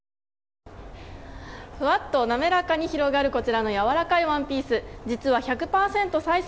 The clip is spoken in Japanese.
ふわっと滑らかに広がるこちらのやわらかいワンピース実は１００％再生